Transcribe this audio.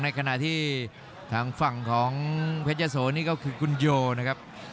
ขณะที่ทางฝั่งของเพชรยะโสนี่ก็คือคุณโยนะครับ